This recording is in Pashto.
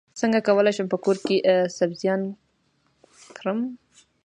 څنګه کولی شم په کور کې سبزیان کرم